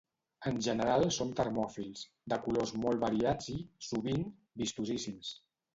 En general són termòfils, de colors molt variats i, sovint, vistosíssims.